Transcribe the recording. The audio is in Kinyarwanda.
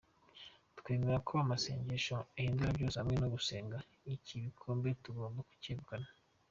Twemera ko amasengesho ahindura byose, hamwe no gusenga iki gikombe tugomba kucyegukana.